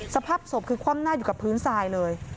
สภาพศพคือคว่ำหน้าอยู่กับพื้นทรายเลย